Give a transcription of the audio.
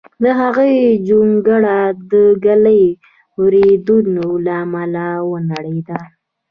د هغوی جونګړه د ږلۍ وریدېنې له امله ونړېده